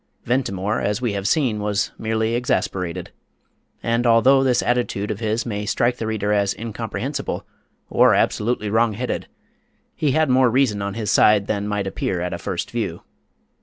Ventimore, as we have seen, was merely exasperated. And, although this attitude of his may strike the reader as incomprehensible or absolutely wrong headed, he had more reason on his side than might appear at a first view.